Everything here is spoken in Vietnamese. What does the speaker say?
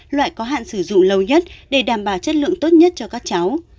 loại có hạn sử dụng lâu nhất để đảm bảo chất lượng tốt nhất cho các cháu